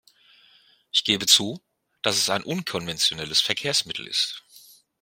Ich gebe zu, dass es ein unkonventionelles Verkehrsmittel ist.